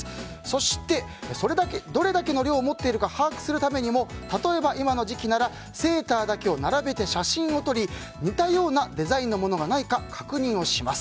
そしてどれだけの量を持っているか把握するためにも例えば今の時期ならセーターだけを並べて写真を撮り似たようなデザインのものがないか確認をします